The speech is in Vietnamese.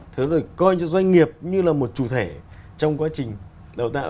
thứ đó là coi cho doanh nghiệp như là một chủ thể trong quá trình đào tạo